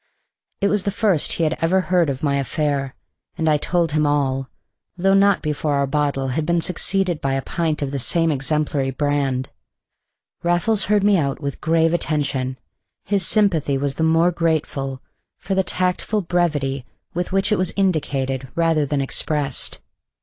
It was the first he had ever heard of my affair, and I told him all, though not before our bottle had been succeeded by a pint of the same exemplary brand. Raffles heard me out with grave attention. His sympathy was the more grateful for the tactful brevity with which it was indicated rather than expressed.